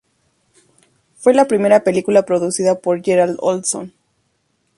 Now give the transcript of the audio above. Fue la primera película producida por Gerald Olson.